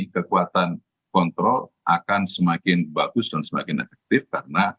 kekuatan kontrol akan semakin bagus dan semakin efektif karena